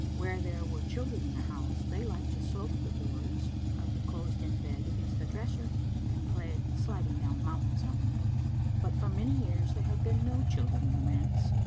Where there were children in a house they liked to slope the boards of the closed in bed against the dresser, and play at sliding down mountains on them. But for many years there had been no children in the manse.